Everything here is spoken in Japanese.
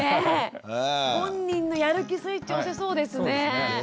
本人のやる気スイッチを押せそうですね。